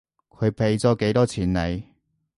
佢畀咗幾多錢你？